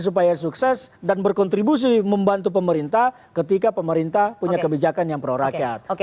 supaya sukses dan berkontribusi membantu pemerintah ketika pemerintah punya kebijakan yang pro rakyat